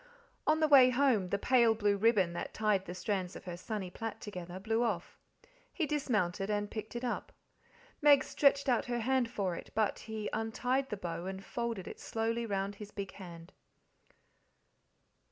On the way home the pale blue ribbon, that tied the strands of her sunny plait together, blew off. He dismounted and picked it up. Meg stretched out her hand for it, but he untied the bow and folded it slowly round his big hand.